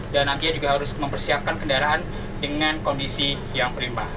dan nantinya juga harus mempersiapkan kendaraan dengan kondisi yang berlimpah